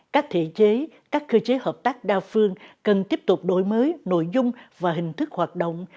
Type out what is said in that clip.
các thể chế các cơ chế hợp tác đa phương cần tiếp tục đổi mới nội dung và hình thức hoạt động